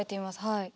はい。